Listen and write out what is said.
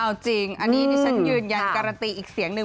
เอาจริงอันนี้ดิฉันยืนยันการันตีอีกเสียงหนึ่ง